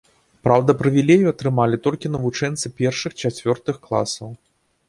Праўда, прывілею атрымалі толькі навучэнцы першых-чацвёртых класаў.